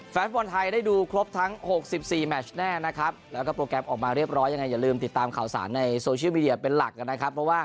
แฟนบอลไทยได้ดูครบทั้ง๖๔แมชแน่นะครับแล้วก็โปรแกรมออกมาเรียบร้อยยังไงอย่าลืมติดตามข่าวสารในโซเชียลมีเดียเป็นหลักนะครับ